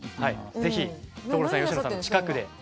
ぜひ所さん佳乃さんの近くで。